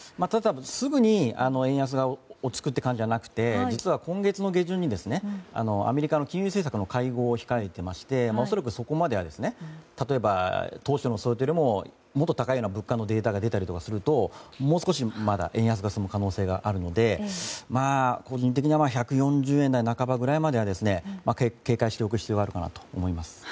すぐに円安が落ち着くという感じではなくて実は、今月の下旬にアメリカの金利政策の会合を控えていまして恐らくそこまでは例えば当初の想定よりももっと高いような物価のデータが出たりするともう少し円安が進む可能性があるので個人的には１４０円台半ばまでは警戒しておく必要があるかなと思います。